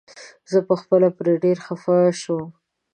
زه په خپله پرې ډير زيات خفه شوم.